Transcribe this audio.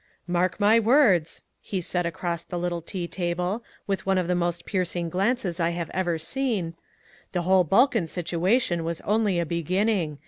"Mark my words," he said across the little tea table, with one of the most piercing glances I have ever seen, "the whole Balkan situation was only a beginning.